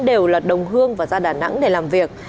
đều là đồng hương và ra đà nẵng để làm việc